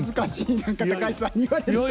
何か高橋さんに言われると。